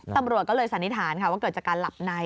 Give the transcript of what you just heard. ตำรวจก็เลยสันนิษฐานค่ะว่าเกิดจากการหลับใน